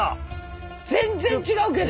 全然違うけど。